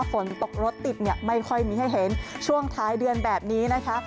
ฝนตกรถติดเนี่ยไม่ค่อยมีให้เห็นช่วงท้ายเดือนแบบนี้นะคะ